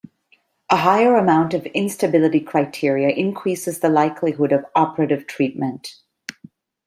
A higher amount of instability criteria increases the likelihood of operative treatment.